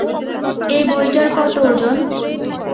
এই বইটার কত ওজন?